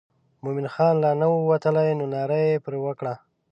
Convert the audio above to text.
مومن خان لا نه و تللی نو ناره یې پر وکړه.